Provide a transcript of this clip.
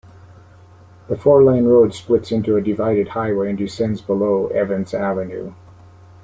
The four lane road splits into a divided highway and descends below Evans Avenue.